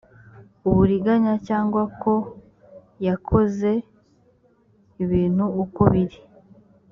uburiganya cyangwa ko yakoze ibintu uko biri